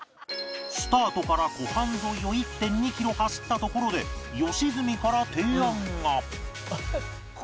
スタートから湖畔沿いを １．２ キロ走ったところで良純から提案が